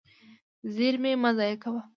زیرمې مه ضایع کوه.